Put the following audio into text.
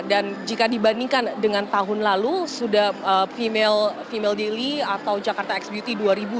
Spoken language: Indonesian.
dan jika dibandingkan dengan tahun lalu sudah female daily atau jakarta x beauty dua ribu dua puluh dua